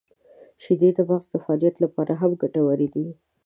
• شیدې د مغز د فعالیت لپاره هم ګټورې دي.